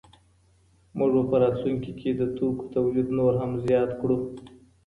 موږ به په راتلونکي کي د توکو تولید نور هم زیات کړو.